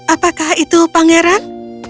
apakah itu pangeran